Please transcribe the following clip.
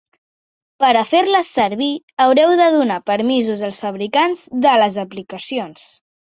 Per a fer-les servir haureu de donar permisos als fabricants de les aplicacions.